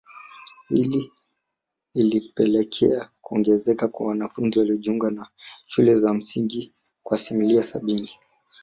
Hili lilipelekea kuongezeka kwa wanafunzi waliojiunga na shule za msingi kwa asilimia sabini